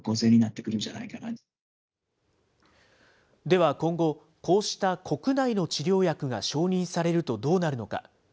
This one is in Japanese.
では今後、こうした国内の治療薬が承認されるとどうなるのか。